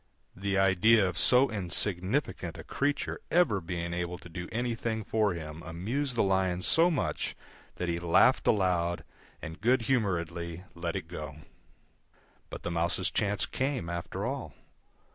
The idea of so insignificant a creature ever being able to do anything for him amused the Lion so much that he laughed aloud, and good humouredly let it go. But the Mouse's chance came, after all.